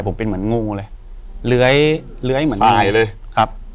อยู่ที่แม่ศรีวิรัยยิวยวลครับ